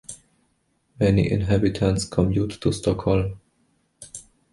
Many inhabitants commute to Stockholm.